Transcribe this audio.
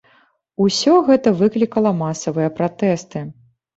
Усё гэта выклікала масавыя пратэсты.